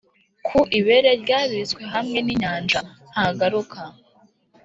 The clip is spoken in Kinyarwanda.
ku ibere ryabitswe hamwe ninyanja. nta garuka